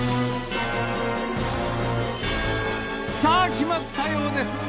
さあ決まったようです。